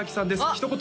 ひと言